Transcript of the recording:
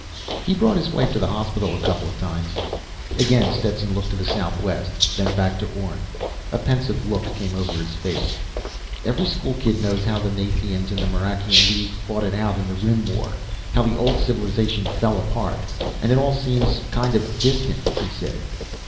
"He brought his wife to the hospital a couple of times." Again, Stetson looked to the southwest, then back to Orne. A pensive look came over his face. "Every schoolkid knows how the Nathians and the Marakian League fought it out in the Rim War how the old civilization fell apart and it all seems kind of distant," he said.